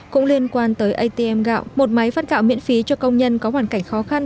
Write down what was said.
cũng liên quan tới atm gạo một máy phát gạo miễn phí cho công nhân có hoàn cảnh khó khăn